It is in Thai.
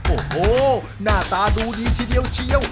โอ้โหหน้าตาดูดีทีเดียวเชียว